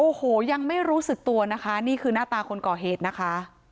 โอ้โหยังไม่รู้สึกตัวนะคะนี่คือหน้าตาคนก่อเหตุนะคะ